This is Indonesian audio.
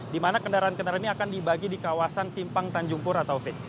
di mana kendaraan kendaraan ini akan dibagi di kawasan simpang tanjung pur atau fit